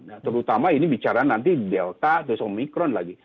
nah terutama ini bicara nanti delta terus omikron lagi